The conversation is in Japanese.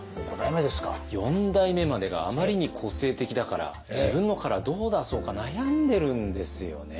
四代目までがあまりに個性的だから自分のカラーどう出そうか悩んでるんですよね。